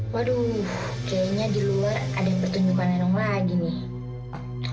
waduh kayaknya di luar ada pertunjukan nenong lagi nih